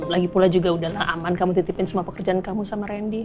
lagi pula juga udahlah aman kamu titipin semua pekerjaan kamu sama randy